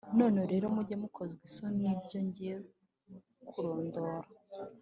None rero, mujye mukozwa isoni n’ibyo ngiye kurondora;